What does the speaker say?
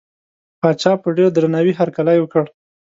پاچا په ډېر درناوي هرکلی وکړ.